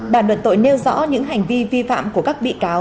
bản luận tội nêu rõ những hành vi vi phạm của các bị cáo